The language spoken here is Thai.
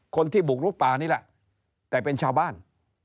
คนที่บุกลุกป่านี่แหละแต่เป็นชาวบ้าน